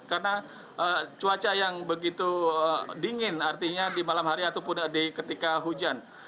karena cuaca yang begitu dingin artinya di malam hari ataupun di ketika hujan